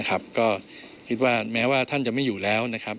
ก็คิดว่าแม้ว่าท่านจะไม่อยู่แล้วนะครับ